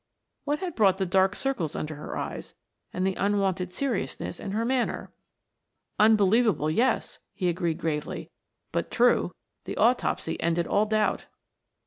What had brought the dark circles under her eyes and the unwonted seriousness in her manner? "Unbelievable, yes," he agreed gravely. "But true; the autopsy ended all doubt."